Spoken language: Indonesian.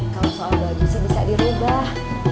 kalau soal baju sebisa dirubah